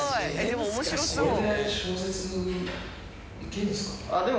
でも面白そう。